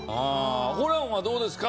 ホランはどうですか？